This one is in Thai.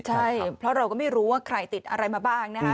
ใช่เพราะเราก็ไม่รู้ว่าใครติดอะไรมาบ้างนะฮะ